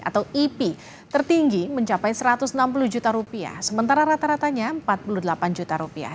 di ipb tertinggi mencapai satu ratus enam puluh juta rupiah sementara rata ratanya empat puluh delapan juta rupiah